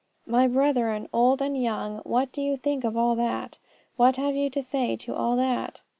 My brethren, old and young, what do you think of all that? What have you to say to all that?